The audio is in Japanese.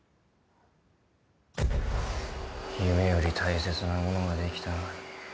現在夢より大切なものができたのに。